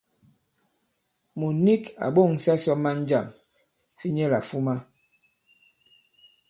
Mùt nik à ɓo᷇ŋsa sɔ maŋ jâm fi nyɛlà fuma.